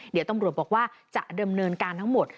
เดี๋ยวตำรวจบอกว่าจะดำเนินการทั้งหมด